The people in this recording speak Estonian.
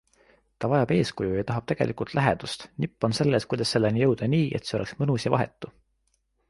Ta vajab eeskuju ja tahab tegelikult lähedust, nipp on selles, kuidas selleni jõuda nii, et see oleks mõnus ja vahetu.